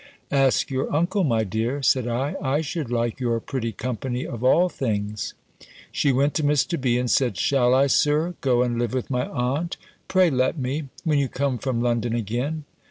"Ask your uncle, my dear," said I; "I should like your pretty company of all things." She went to Mr. B. and said, "Shall I, Sir, go and live with my aunt? Pray let me, when you come from London again."